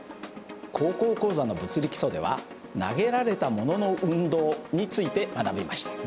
「高校講座」の「物理基礎」では投げられたものの運動について学びました。